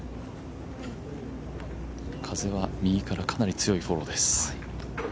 風は右からかなり強いフォローです。